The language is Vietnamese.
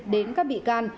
đến các bị can